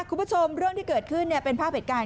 คุณผู้ชมเรื่องที่เกิดขึ้นเป็นภาพเหตุการณ์